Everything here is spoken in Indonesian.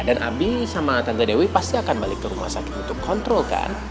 dan abi sama tante dewi pasti akan balik ke rumah sakit untuk kontrol kan